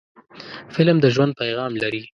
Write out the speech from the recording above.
فلم د ژوند پیغام لري